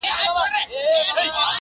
یو له بله سره بېل سو په کلونو٫